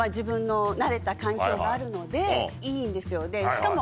しかも。